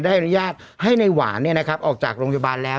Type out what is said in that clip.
ได้อนุญาตให้ในหวานเนี่ยนะครับออกจากโรงพยาบาลแล้ว